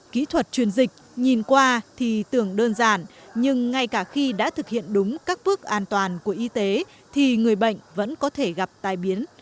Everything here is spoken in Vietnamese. kỹ thuật truyền dịch nhìn qua thì tưởng đơn giản nhưng ngay cả khi đã thực hiện đúng các bước an toàn của y tế thì người bệnh vẫn có thể gặp tai biến